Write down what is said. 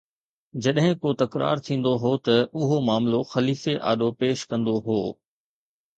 جڏهن ڪو تڪرار ٿيندو هو ته اهو معاملو خليفي آڏو پيش ڪندو هو